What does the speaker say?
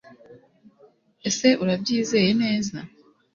ese urabyizeye neza